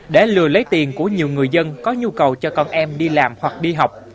để lừa lấy tiền của nhiều người dân có nhu cầu cho con em đi làm hoặc đi học